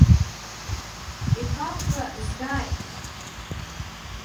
Иқәақәра згааит!